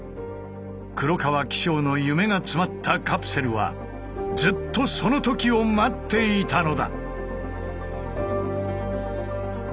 黒川紀章の夢が詰まったカプセルはずっとそのときを待っていたのだ。